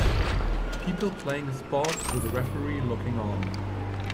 People playing a sport with a referee looking on.